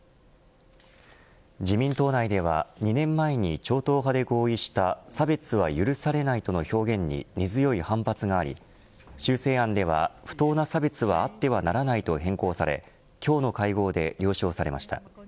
自民党内では２年前に超党派で合意した差別は許されないとの表現に根強い反発があり修正案では、不当な差別はあってはならないと変更され今日の会合で了承されました。